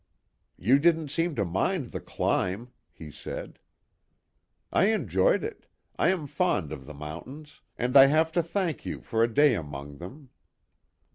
"You didn't seem to mind the climb," he said. "I enjoyed it. I am fond of the mountains, and I have to thank you for a day among them."